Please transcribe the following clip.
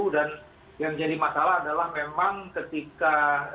dan yang jadi masalah adalah memang ketika